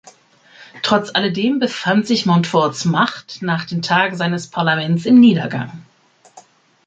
Trotz alledem befand sich Montforts Macht nach den Tagen seines Parlaments im Niedergang.